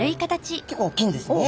結構大きいんですね。